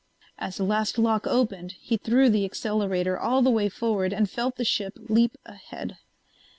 As the last lock opened he threw the accelerator all the way forward and felt the ship leap ahead.